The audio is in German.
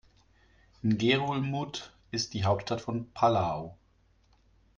Ngerulmud ist die Hauptstadt von Palau.